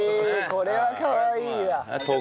これはかわいいわ。